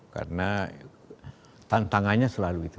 karena tantangannya selalu itu